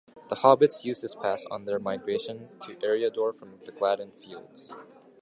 The Hobbits used this pass on their migration to Eriador from the Gladden Fields.